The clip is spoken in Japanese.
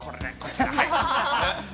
こちら？